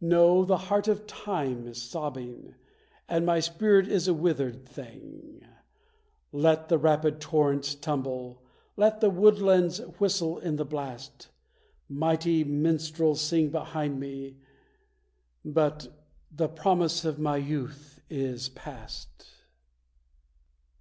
No, the heart of Time is sobbing, and my spirit is a withered thing! Let the rapid torrents tumble, let the woodlands whistle in the blast; Mighty minstrels sing behind me, but the promise of my youth is past.